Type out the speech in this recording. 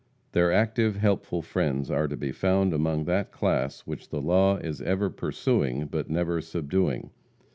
Their active, helpful friends are to be found among that class which the law is ever pursuing but never subduing.